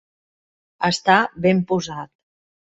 Estar ben posat.